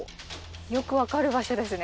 よく分かる場所ですね